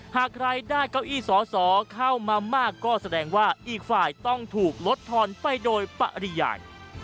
หากใครได้เก้าอี้สอสอเข้ามามากก็แสดงว่าอีกฝ่ายต้องถูกลดทอนไปโดยปริยาย